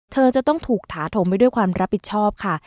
เธอจะต้องถูกถาถมไปด้วยความรับผิดชอบค่ะ